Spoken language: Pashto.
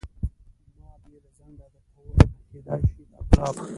ما بې له ځنډه درته وویل کېدای شي دا ګلاب.